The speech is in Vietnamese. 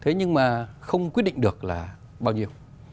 thế nhưng mà không quyết định được là bao nhiêu